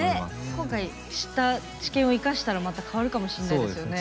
今回知った知見を生かしたらまた変わるかもしれないですしね。